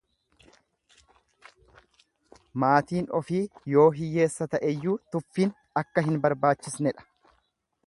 Maatiin ofii yoo hiyyeessa ta'eyyuu tuffin akka hin barbaachisnedha.